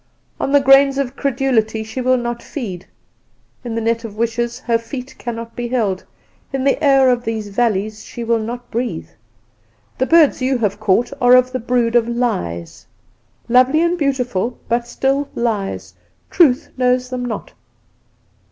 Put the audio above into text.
On the grains of credulity she will not feed; in the net of wishes her feet cannot be held; in the air of these valleys she will not breathe. The birds you have caught are of the brood of Lies. Lovely and beautiful, but still lies; Truth knows them not.